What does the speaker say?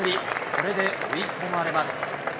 これで追い込まれます。